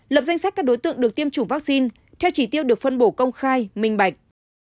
lập danh sách các đối tượng được tiêm chủng vaccine theo chỉ tiêu được phân bổ công khai minh bạch